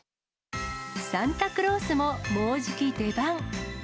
サンタクロースももうじき出番。